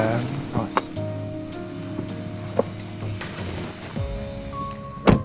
terima kasih suamiku